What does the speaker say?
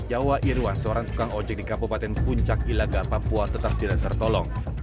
jawa irwan seorang tukang ojek di kabupaten puncak ilaga papua tetap tidak tertolong